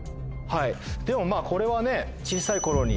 でもこれは小さい頃に。